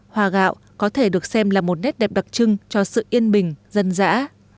hoa gạo có thể được xem là một nét đẹp đặc trưng cho sự yên bình dân dã